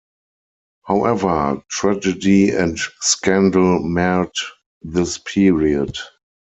However, tragedy and scandal marred this period.